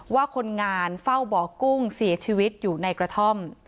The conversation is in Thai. ว่าคนงานเฝ้าบ่อกุ้งเสียชีวิตอยู่ในกระท่อม